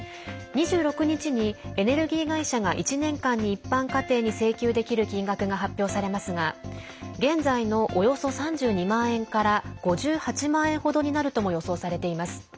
２６日にエネルギー会社が１年間に一般家庭に請求できる金額が発表されますが現在の、およそ３２万円から５８万円程になるとも予想されています。